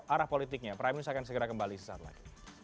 arah politiknya prime news akan segera kembali sesaat lagi